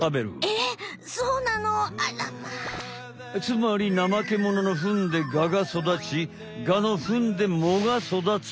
つまりナマケモノのフンでガがそだちガのフンで藻がそだつ。